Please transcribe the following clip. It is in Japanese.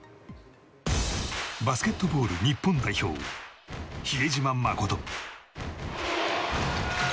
バスケットボール日本代表比江島慎。